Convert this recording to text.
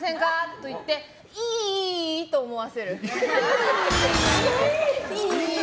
と言っていーいーい！と思わせる。